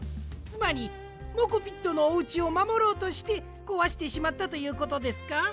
つまりモコピットのおうちをまもろうとしてこわしてしまったということですか？